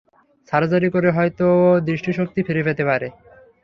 Surgery করে হয়তো ও দৃষ্টিশক্তি ফিরে পেতে পারে।